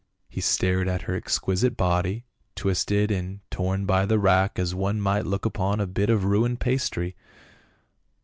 He stared at her exquisite body, twisted and torn by the rack, as one might look upon a bit of ruined pastry.